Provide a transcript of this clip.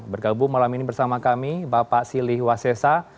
bergabung malam ini bersama kami bapak silih wasesa